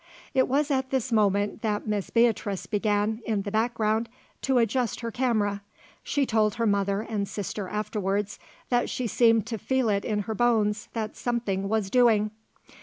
It was at this moment that Miss Beatrice began, in the background, to adjust her camera. She told her mother and sister afterwards that she seemed to feel it in her bones that something was doing.